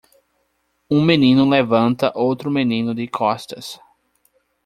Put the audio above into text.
Um menino levanta outro menino de costas.